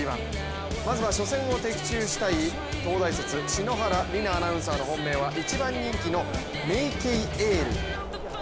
まずは初戦を的中したい東大卒、篠原梨菜アナウンサーの本命は１番人気のメイケイエール。